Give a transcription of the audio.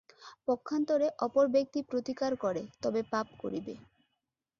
পক্ষান্তরে অপর ব্যক্তি প্রতিকার করে, তবে পাপ করিবে।